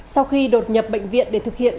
sau khi đột nhập bệnh viện để thực hiện